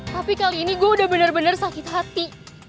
tapi kali ini gue udah bener bener sakit hati